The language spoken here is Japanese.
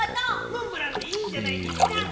モンブランでいいんじゃないですか？